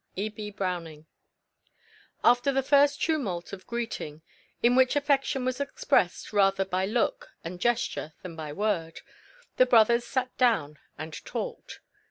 E. B. Browning After the first tumult of greeting, in which affection was expressed rather by look and gesture than by word, the brothers sat down and talked.